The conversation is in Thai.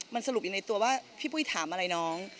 มันสรุปอยู่ในตัวว่าพี่ปุ้ยถามอะไรน้อง